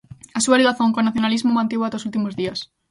A súa ligazón co nacionalismo mantívoa até os últimos días.